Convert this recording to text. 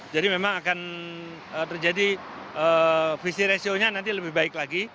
jadi memang akan terjadi visi rasionya nanti lebih baik lagi